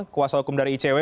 kuasa hukum dari icw